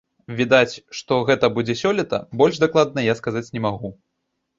Відаць, што гэта будзе сёлета, больш дакладна я сказаць не магу.